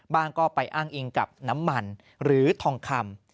ก็ไปอ้างอิงกับน้ำมันหรือทองคำ